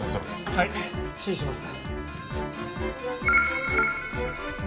はい指示します。